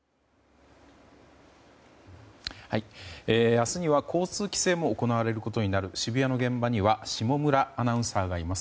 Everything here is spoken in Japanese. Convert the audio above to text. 明日には交通規制も行われることになる渋谷の現場に下村アナウンサーがいます。